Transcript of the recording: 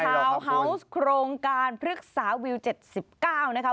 วนฮาวส์โครงการพฤกษาวิว๗๙นะคะ